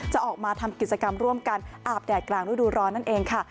จะออกมาทำกิจกรรมร่วมกันอาบแดดกลางฤดูร้อนนั่นเองค่ะ